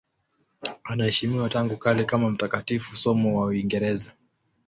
Anaheshimiwa tangu kale kama mtakatifu, somo wa Uingereza.